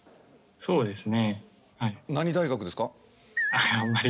そうですよね。